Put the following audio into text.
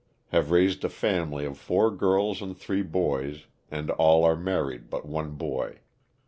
Have raised a family of four girls and three boys, and all are married but one boy.